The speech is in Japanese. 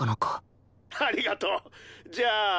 「ありがとう。じゃあ」